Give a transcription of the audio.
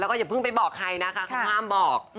แล้วก็อย่าเพิ่งไปบอกใครนะคะเขาห้ามบอก